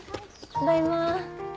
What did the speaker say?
ただいま。